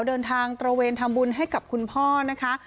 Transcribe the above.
เดินทางตระเวนทำบุญให้กับคุณพ่อนะคะ